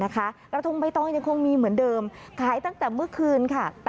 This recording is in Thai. กระทงใบตองยังคงมีเหมือนเดิมขายตั้งแต่เมื่อคืนค่ะ